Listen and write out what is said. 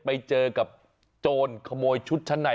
ไปเจอกับโจรขโมยชุดชั้นใน